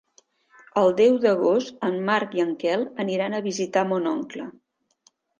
El deu d'agost en Marc i en Quel aniran a visitar mon oncle.